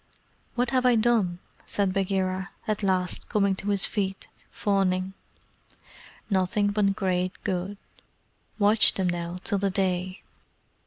"What have I done?" said Bagheera, at last coming to his feet, fawning. "Nothing but great good. Watch them now till the day.